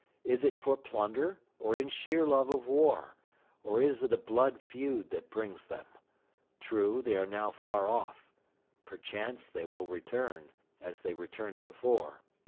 Is it for plunder, or in sheer love of war; or is it a blood feud that brings them? True, they are now far off. Perchance they will return, as they returned before.